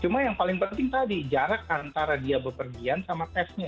cuma yang paling penting tadi jarak antara dia bepergian sama tesnya